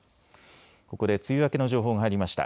ここで梅雨明けの情報が入りました。